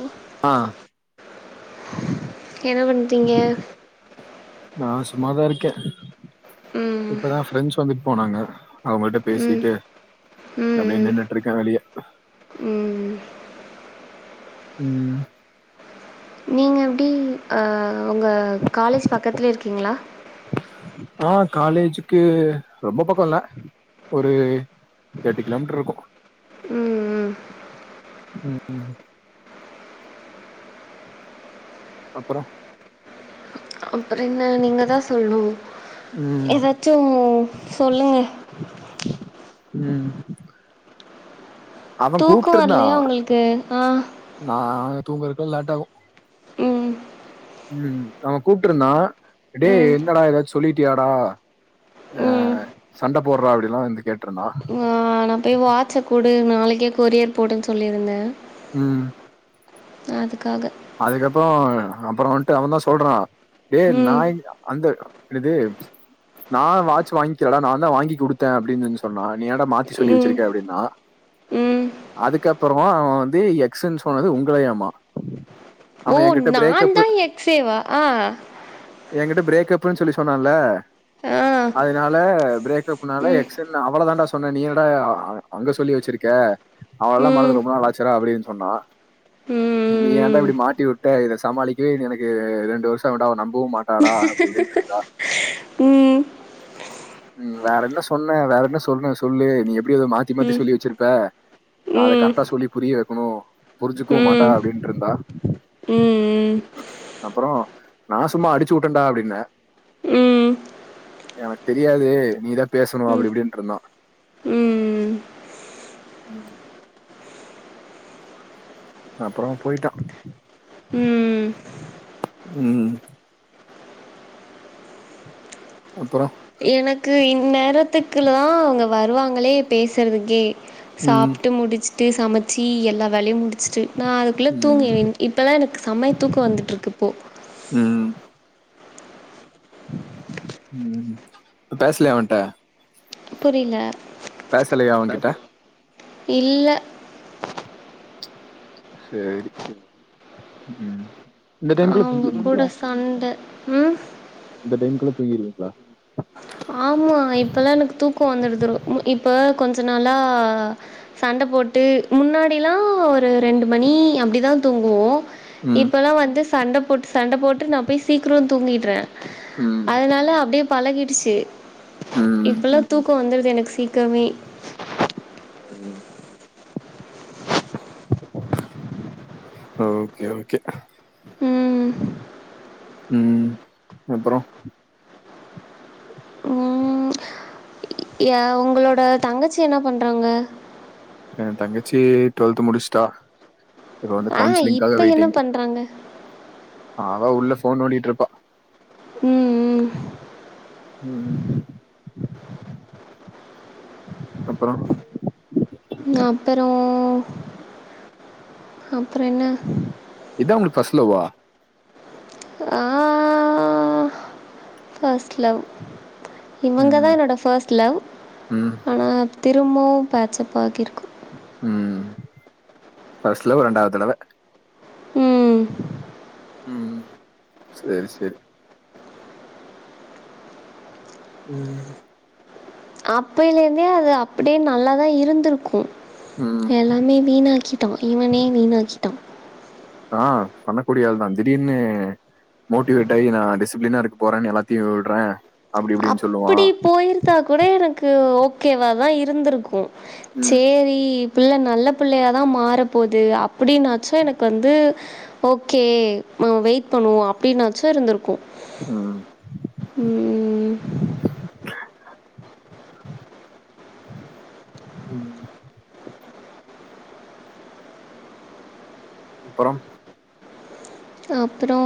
ம் ஆ என்ன பண்றீங்க நா சும்மாதாருக்கே ம். இப்பதா ஃப்ரெண்ட்ஸ் வந்துட் போனாங்க அவுங்கள்ட்ட ம். பேசிட்டு ம். அப்டே ம். நின்னுட்ருக்கே வெளிய ம் ம் நீங்க எப்டி ஆ உங்க காலேஜ் பக்கத்லே இருக்கீங்ளா ஆ காலேஜுக்கு ரொம்ப பக்கோல்ல ஒரு எட்டு கிலோமீட்ருக்கு ம் ம் ம் ம் அப்பறோ அப்றோ என்ன நீங்க தா சொல்னு ம் எதாச்சு சொல்லுங்க ம் அவ தூக்கோ வர்லயா உங்ளுக்கு ஆ நாங்க தூங்கறக்குல்லா லேட்டாகு ம். ம் அவே கூப்ட்ருந்தா டே ம். என்னடா எதாச்சு சொல்லிட்டியாடா ஆ ம். சண்ட போட்ற அப்டில்லா வந்து கேட்ருன்னா ஆ நா போய் வாட்ச குடு நாளைக்கே கொரியர் போடுன் சொல்லிருந்தே ம் அதுக்காக அதுக்கப்றோ அப்றோ வன்ட்டு அவன் தா சொல்றா டே நா ம். அந்த என்னது நா வாட்ச் வாய்ன்க்கலடா நா தா வாங்கி குடுத்தே அப்டின் சொல்லி சொன்னா நீ என்னடா மாத்தி சொல்லி ம். வச்சிருக்க அப்டின்னா [inaudible] அதுக்கப்றமா அவெ வந்து எக்ஸுன் சொன்னது உங்களயாமா ஓ நா தா எக்ஸே வா என்கிட்ட பிரேக்கப்புன் சொல்லி சொன்னான்ல ஆ. அதனால ம் பிரேக்கப்புனால எக்ஸ் ன் அவளதான்டா சொன்னே நீ என்னடா அங்க சொல்லி வச்சிருக்க அவளலா ம் மறந்து ரொம்ப நாளாச்சுடா அப்டின் சொன்னா ம் நீ ஏன்டா ம் இப்டி மாட்டி வுட்ட இத சமாளிக்கவே இனி எனக்கு ரெண்டு வர்ஷோ ஆவுன்டா அவ நம்பவு மாட்டாடா அப்டி இப்டின்ட்ருந்தா ம் ம் வேற என்ன சொன்ன வேற என்ன சொன்ன சொல்லு நீ எப்டி எதோ மாத்தி ம் மாத்தி சொல்லி வச்சிருப்ப நா அத ம் கரெக்டா சொல்லி புரிய வெக்கனு புரிஞ்சுக்கவு மாட்டா அப்டின்ட்ருந்தா ம் ம் அப்றோ நா சும்மா அடிச்சு வுட்டன்டா அப்டின்னே எனக்தெரியாது நீதா பேசனு ம் அப்டி இப்டின்ட்ருந்தா ம் அப்றோ‌ போய்ட்டா ம் ம் அப்பறோ எனக்கு இந்நேரத்துக்குலா அவுங்க வருவாங்ளே பேசறதுக்கே ம் சாப்ட்டு முடிச்சுட்டு சமச்சி எல்லா வேலயு முடிச்ட்டு நா அதுக்குள்ள ம் தூங்கிவேன் இப்பல்லா எனக்கு செம்மயா தூக்கோ வந்துட்ருக்குப்போ ம் ம் ப்ப பேசலயா அவன்ட்ட புரில பேசலையா அவன்கிட்ட இல்ல சேரி ம் இந்த டைம்க்குள்ள உங்க கூட சண்ட ம் இந்த டைமுக்லா தூங்கிருவீங்ளா ஆமா இப்பல்லா எனக்கு தூக்கம் வந்துடுது இப்போ கொஞ்ச நாளா சண்ட போட்டு முன்னாடிலா ஒரு ரெண்டு மணி அப்டி தா தூங்குவோம் ம் இப்பல்லா வந்து சண்ட போட்டு சண்ட போட்டு நா போய் சீக்கிரம் தூங்கிட்ற ம் அதனால அப்டியே பழகிடுச்சி ம் இப்பல்லா தூக்கம் வந்துருது எனக் சீக்கிரமே வரும் ஆ ஓகே ஓகே ம். ம் அப்புறோ ம். ய உங்களோட தங்கச்சி என்ன பண்றாங்க என் தங்கச்சி டுவெல்த் முடிஷ்ட்டா இப்ப வந்து ஆ இப்ப கவுன்சிலிங்க்காக என்ன வெயிட்டிங் பண்றாங்க அவ உள்ள ஃபோன் நோன்டிட்ருப்பா ம் ம் ம் ம் அப்புறோ அப்பறோ அப்றோ என்ன இதா உங்ளுக் ஃபர்ஸ்ட் லவ்வா ஆ ஃபர்ஸ்ட் லவ் இவங்க ம் தா என்னோட ஃபஸ்ட் லவ் ம் ஆனா திரும்பவும் பேச்சப்பாகியிருக்கோ ம் ஃபர்ஸ்ட் லவ் ரெண்டாவ் தடவ ம் செரி செரி ம் அப்பைலேந்தே அது அப்படியே நல்லா தா இருந்திருக்கும் ம் எல்லாமே வீணாக்கிட்டா இவனே வீணாக்கிட்டா ஆ பண்ணக்கூடிய ஆள் தா திடீர்னு மோட்டிவேட் ஆயி நா டிசிப்ளினா இருக்க போறேன் எல்லாத்தையும் விட்ற அப்டி இப்டின் அப்படி போயிருந்தா கூட எனக்கு ஓகேவாதா இருந்திருக்கும் ம் சேரி பிள்ள நல்ல புள்ளையாதா மாறப்போது அப்படின்னாச்சும் எனக்கு வந்து ஓகே நம்ம வெயிட் பண்ணுவோம் அப்படின்னாச்சும் இருந்திருக்கும் ம் ம் ம் ம் அப்பறம் அப்புறோ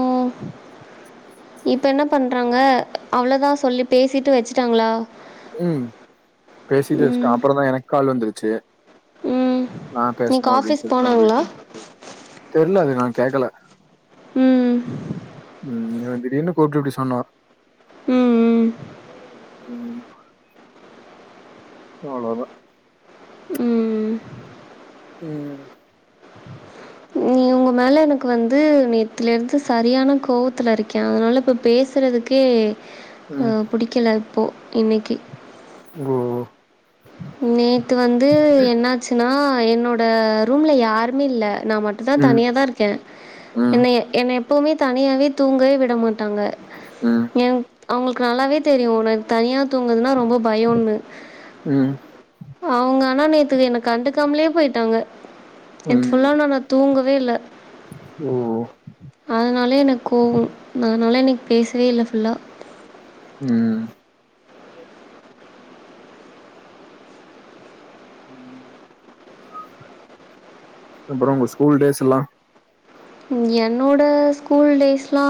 இப்ப என்ன பண்றாங்க அவ்ளோதா சொல்லி பேசிட்டு வச்சுட்டாங்ளா ம் பேசிட்டு வஷ்ட்ட அப்புறம் தா எனக்கு கால் வந்துருச்சு ம் நா இன்னைக்கு பேசணு அப்டின் ஆஃபீஸ் சொல்லிட்டு நா போனாங்களா போயிட்டே தெர்ல அது நா கேக்கல ம் ம் இவ திடீர்னு கூப்ட்டு இப்டி சொன்னா ம் ம் ம் அவ்ளோதா ம் ம் உங்க மேல எனக்கு வந்து நேத்துலேந்து சரியான கோவத்துல இருக்கே அதனால இப்ப பேசுறதுக்கு க்கே ம், புடிக்கல இப்போ இன்னைக்கி ம் நேத்து வந்து என்னச்சுன்னா என்னோட ரூம்ல யாருமே இல்ல நா மட் தா ம் தனியாதா இருக்கே ம் என்ன என்ன எப்பவுமே தனியாவே தூங்கவே விட மாட்டாங்க ம் எ அவுங்களுக்கு நல்லாவே தெரியு எனக்கு தனியா தூங்குறதுன்னா ரொம்ப பயன்னு ம் அவுங்க ஆனா நேத்துக்கு என்ன கண்டுக்காமலே போயிட்டாங்க நேத்து ஃபுல்லா நானாத் தூங்கவே இல்ல ம் அதனாலே எனக் கோவோ அதனால இன்னைக்கி பேசவே இல்ல ஃபுல்லா ம் ம் அப்பறம உங்க ஸ்கூல் டேஸ் எல்லா என்னோட ஸ்கூல் டேஸ்லா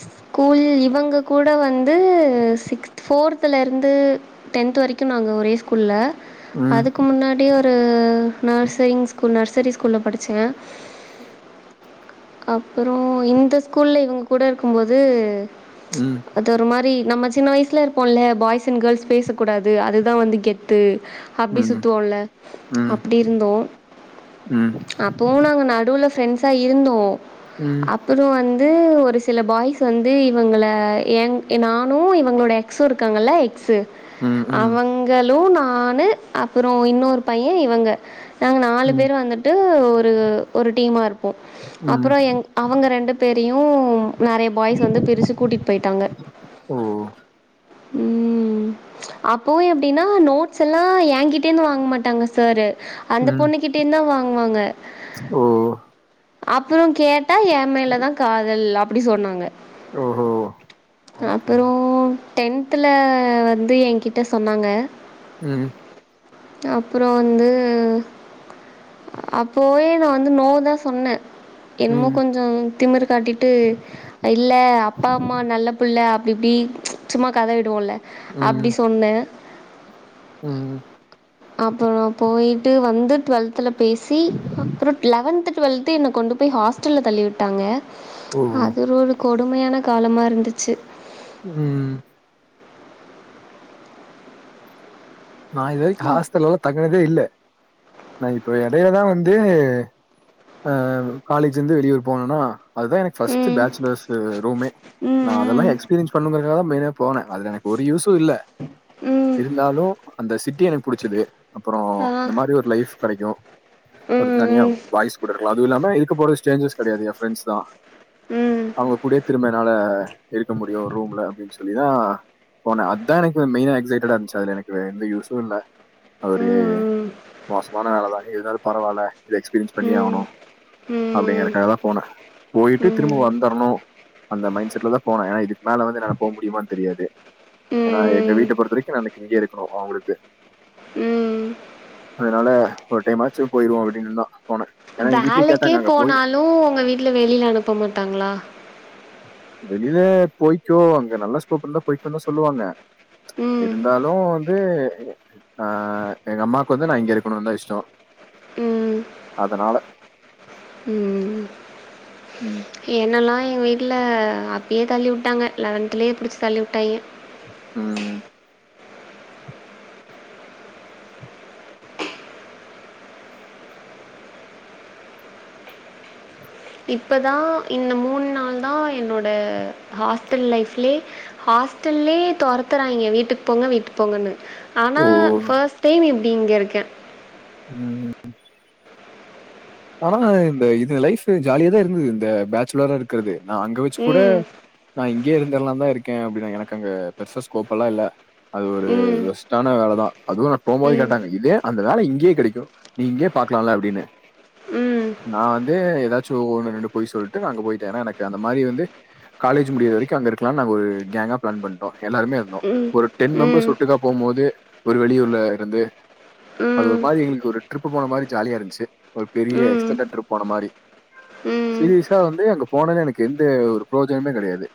ஸ்கூல் இவங்க கூட வந்து சிக்ஸ்த் ஃபோர்த்துலருந்து டென்த் வரைக்கு நாங்க ஒரே ஸ்கூல்ல ம் அதுக்கு முன்னாடி ஒ ரு நர்சரிங் ஸ்கூல் நர்சரி ஸ்கூல்ல படிச்சே அப்பறோ இந்த ஸ்கூல்ல இவங்க கூட இருக்கும்போது ம் அது ஒரு மாரி நம்ம சின்ன வயசுல இருப்போம்ல்ல பாய்ஸ் அண்ட் கேர்ள்ஸ் பேச கூடாது அதுதா வந்து கெத்து அப்டி ம் சுத்துவோல ம் அப்டி இருந்தோ ம் [unintelligible] நாங்க நடுவுல ஃப்ரெண்ட்ஸ்சா இருந்தோ ம் அப்பற வந்து ஒரு சில பாய்ஸ் வந்து இவங்கள எங் நானு இவங்களுடைய எக்ஸ் இருக்காங்கல எக்ஸ்சு ம் ம் அவுங்களு நானு அப்பற இன்னொரு பைய இவங்க நாங்க நாலு ம் பேரு வந்துட்டு ஒரு ஒரு டீமா இருப்போ அப்பற ம் எங் அவங்க ரெண்டு பேரையு நெறைய பாய்ஸ் வந்து பிரிச்சு கூட்டிட்டு போயிட்டாங்க ஓ ம் அப்பவு எப்டினா நோட்ஸ் எல்லா ஏங்கிட்ட இருந்து வாங்க மாட்டாங்க சாரு அந்த ம் பொண்ணு கிட்ட இருந்தா வாங்குவாங்க ஓ அப்பற கேட் டா ஏ மேல தா காதல் அப்டி சொன்னாங்க ஓஹோ ஓகே அப்பறோ டென்த்துல வந்து என்கிட்ட சொன்னாங்க ம் அப்பற வந்து அப்போவே நா வந்து நோ தா சொன்னே ம் என்னமோ ம் கொஞ்சோ திமிரு காட்டிட்டு இல்ல அப்பா அம்மா நல்ல புள்ள அப்டி இப்டி சும்மா கத விடுவோல்ல அப்டி சொன்னே ம் அப்பறோ போ போய்ட்டு வந்து டுவெல்த்துல பேசி அப்பற லெவன்த் டுவெல் து என்ன கொண்டு போய் ஹாஸ்டல்ல தள்ளி விட்டாங்க ஓ அது ஒரு கோ கொடுமையான காலமா இருந்துச்சு ம் நா இது வரைக்கு ஹாஸ்டல்லல்லா தங்குனதே இல்ல நா இப்போ எடையில தா வந்து அ காலேஜ் இருந்து வெளியூர் போணுனா அதுதா எனக்கு ஃபர்ஸ்ட்டு ம். பேச்சலர்ஸ் ரூமே ம், நா அதெல்லா ம். எக்ஸ்பீரியன்ஸ் பண்ணணு தா மெயினா போனே அதுல எனக்கு ஒரு யூஸு இல்ல ம். இருந்தாலு அந்த சிட்டி எனக்கு புடிச்சுது அப்பறோ ஆ. இந்த மாதிரி ஒரு லைஃப் கடைக்கு ம், ஒரு தனியா ம். பாய்ஸ் கூட இருக்கலா அதுவு இல்லாம இருக்க போறது ஸ்ட்ரேஞ்சர்ஸ் கெடயாது ஏ ஃப்ரெண்ட்ஸ் தா ம். அவுங்க கூடயே திரும்ப என்னால இருக்க முடியு ரூம்ல அப்படின்னு சொல்லிதா போனே அதா எனக்கு மெயினா எக்சைட்டடா இருந்துச்சு அது எனக்கு எந்த யூஸு இல்ல ஒரு ம். மோசமான வேல தா இருந்தாலு பரவால்ல இத எக்ஸ்பீரியன்ஸ் பண்ணியே ஆவணு ம். ம். அப்படிங்கறக்காக தா போனே போயிட்டு திரும்ப ம். வந்தரணு அந்த மைண்ட் செட்ல தா போனே ஏன்னா இதுக்கு மேல வந்து என்னால போ முடியுமான்னு தெரியாது ஏன்னா எங்க ம். வீட்ட பொறுத்த வரைக்கு நா இன்னைக்கு இங்கய இருக் கனு அவுங்களுக்கு ம். அதனால ஒரு டைமாச்சு போயிருவோ அப்படின்னு தா வேலைக்கே போனாலு உங்க வீட்ல வெளியில அனுப்ப மாட்டாங்களா வெளியில போய்க்கோ அங்க நல்ல ஸ்கோப்ல இருந்தா போய்க்கோன்னு தா சொல்லுவாங்க ம். இருந்தாலு வந்து ஆ எங்கம்மாக்கு வந்து நா இங்க இருக்கணுனு தா இஷ்டோ ம். அதனால ம் என்னெல்லா எங்க வீட்ல அப்பயே தள்ளிவுட்டாங்க லெவன்த்தலயே பிடிச்சி தள்ளிவிட்டாய்ங்க ம் இப்பதா இந்த மூண் நாள்தா என்னோட ஹாஸ்டல் லைஃப்லயே ஹாஸ்டல்லயே தொறத்துறாய்ங்க வீட்டுக்கு போங்க வீட்டுக்கு போங்கன்னு ஆனா ஓ ஃபர்ஸ்ட் டைம் இப்படி இங்க இருக்கே ம் ம் ஆனா இந்த இது லைஃப் ஜாலியா தா இருந்தது இந்த பேச்சுலரா இருக் குறது நா அங்க வச்சு கூட ம். நா இங்கே இருந்தரலா தா இருக்கே அப்படினேன் எனக்கு அங்க பெருசா ஸ்கோப் எல்லா இல்ல அது ஒரு ம். வொஸ்ட்டான வேலைதா அதுவு நா போம்போது ம். கேட்டாங்க இதே அந்த வேல இங்கயே கெடைக்கு நீ இங்கே பாக்கலால்ல அப்டின்னு ம். நா வந்து ஏதாச்சு ஒண்ணு ரெண்டு போய் சொல்லிட்டு அங்க போயிட்டே ஏனா எனக்கு அந்த மாரி வந்து காலேஜ் முடியுற வரைக்கு அங்க இருக்கலானு நாங்க ஒரு கேங்கா பிளான் பண்ட்டோ எல்லாருமே இருந்தோ ம். ஒரு டென் மெம்பர்ஸ் ம். விட்டுக்கா போம் போது ஒரு வெளியூர்ல இருந்து அது ம். ஒரு மாரி எங்ளுக்கு ஒரு ட்ரிப்பு போன மாரி ஜாலியா இருந்துச்சு ஒரு பெரிய ம். எக்ஸ்டெண்டட் ட்ரிப் போன மாரி ம். சீரியஸா வந்து அங்க போனோனே எனக்கு எந்த ஒரு புரோஜனமே கெடையாது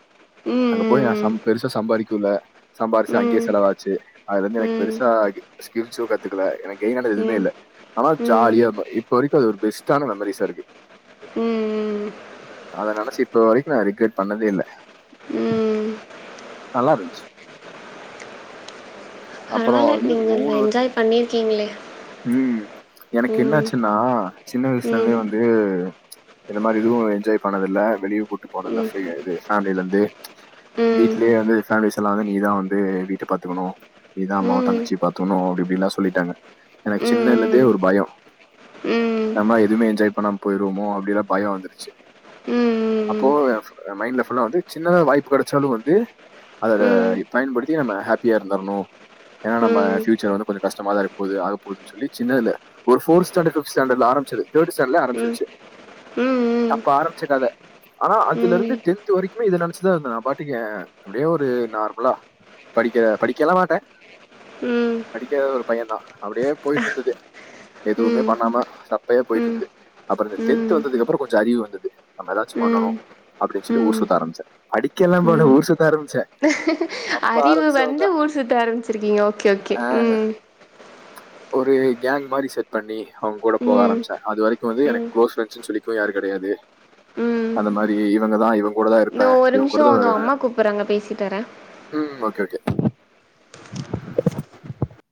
ம். அங்க போய் நா ம். சம் பெருசா சம்பாரிக்கல சம்பாரிச்சு அங்கேயே ம். ம். செலவாச்சு அதுல இருந்து எனக்கு பெருசா ம். ஸ்கில்ஸோ கத்துக்கல எனக்கு எயினானது எதுவுமே இல்ல ஆனா ஜாலியா இரு இப்போ வரைக் கு அது ஒரு பெஸ்டான மெமரிஸா இருக்கு ம். ம். அத நெனைச்சு இப்ப வரைக்கு நா ரிக்ரெட் பண்ணதே இல்ல ம். நல்லாருந்துச்சு அப்பறோ வந்து நா என்ஜாய் பண்ணியிருக்கீங்ளே ம் எனக்கு என்ன ஆச்சுன்னா சின்ன வயசுல ம், இருந்தே வந்து இது மாரி இதுவு என்ஜாய் பண்ணதுல்ல வெளியு கூட்டு போனதில்ல ம், இது ஃபேமில இருந்து ம், வீட்லயே வந்து ஃபேமிலிஸ் எல்லா வந்து நீதா வந்து வீட்ட பாத்துக்கணணு நீ தா ம், அம்மாவ ம், தங்கச்சி பாத்துக்கணு அப்டி இப்டிலா சொல்லிட்டாங்க எனக்கு சின்னலேந்தே ம், ஒரு பயோ ம், ம், நம்ம எதுவுமே என்ஜாய் பண்ணாம போயிருவோமோ அப்டிலா பயோ வந்துருச்சு ம், அப்போ ம், ஃபு மைண்ட்ல ஃபுல்லா வந்து சின்னதா வாய்ப்பு கடைச்சாலு வந் து அதோட ம், ம், ம், பயன்படுத்தி நம்ம ஹாப்பியா இருந்துருணு ஏனா ம், நம்ம ம், ஃபியூச்சர் வந்து கொஞ்ச கஷ்டமாதா இருக்க போது ஆக போகுதுனு சொல்லி சின்னதுல ஒரு ஃபோர் ஸ்டாண்டர்ட் ஃபிஃப்த் ஸ்டாண்டர்ட் ஆரம்பிச்சது தேர்டு ஸ்டாண்டர்லே ம், ஆரம்பிச்சுடுச்சு அப்ப ஆரம்பிச்ச கத ஆனா அதுல இருந்து டென்த்து வரைக்குமே இத நெனைச்சுதா இருந்தே நா பாட்டுக்கே அப்டியே ஒரு நார்மலா படிக்க படிக்கலா மாட்ட ம் படிக்காத ஒரு பையன் தா அப்டியே போயிட்டு இருந்துது எதுவுமே பண்ணாம சப்பையா போயிட்டு ம், ம், இருந்துது அப்புறோ இந்த டென்த்து ம். வந்ததுக்கப்புறோ கொஞ்சோ அறிவு வந்துது நம்ம எதாச்சு பண்ணனு அப்டின்னு சொல்லி ஊர் சுத்த ஆரம்பிச்சே படிக்கலா போல ஊர் சுத்த ஆரம்பிச்சே அறிவு வந்து ஊர் சுத்த ஆரம்பிச்சிருக்கீங்க ஓகே ஓகே ஆஹ், ம் ஒரு கேங் மாரி செட் பண்ணி அவுங்க கூட போக ம், ஆரம்பிச்சே அது வரைக்கு வந்து எனக்கு ம், க்ளோஸ் ஃப்ரெண்ட்ஸ்னு சொல்லி ஸு யாரு கெடையாது ம். அந்த மாரி இவங்க தா இவங் கூட தா இருக் இதோ ஒரு நிமிஷோ இதோ அம்மா கூப்புறாங்க பேசிட்டு வர ம் ஓகே ஓகே